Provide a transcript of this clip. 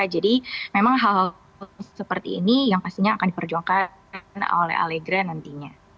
jadi memang hal hal seperti ini yang pastinya akan diperjuangkan oleh allegra nantinya